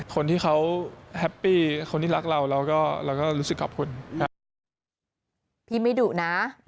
คนที่เขาแฮปปี้คนที่รักเราเราก็รู้สึกขอบคุณ